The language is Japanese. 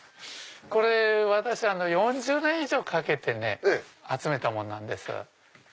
私４０年以上かけて集めたものなんです。